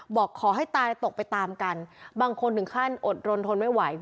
บอกขอให้ตายตกไปตามกันบางคนถึงขั้นอดรนทนไม่ไหว